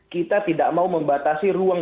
kita tidak mau membatasi ruang